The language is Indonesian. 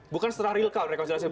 bukan setelah real count rekonsiliasi